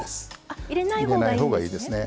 あ入れない方がいいんですね。